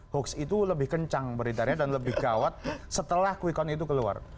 hoax itu lebih kencang beritanya dan lebih gawat setelah quick count itu keluar